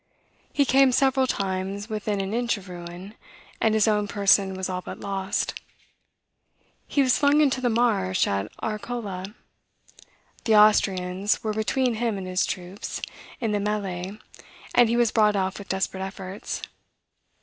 He came, several times, within an inch of ruin; and his own person was all but lost. He was flung into the marsh at Arcola. The Austrians were between him and his troops, in the melee, and he was brought off with desperate efforts.